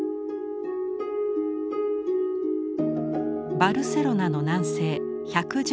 バルセロナの南西１１０